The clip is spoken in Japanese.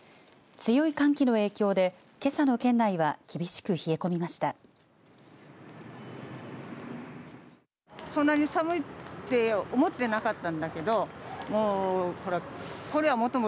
強い寒気の影響でけさの県内は厳しく冷え込みました。